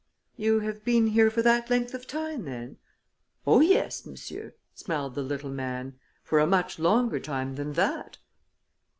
"You have been here for that length of time, then?" "Oh, yes, monsieur," smiled the little man. "For a much longer time than that."